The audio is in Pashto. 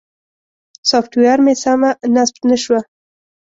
سافټویر مې سمه نصب نه شوه.